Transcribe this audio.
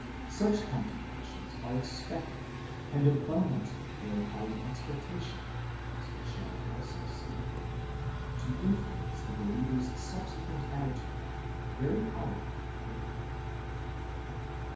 Such contemplations are expected (and abundantly verify the expectation, as we shall also see) to influence the believer's subsequent attitude very powerfully for good.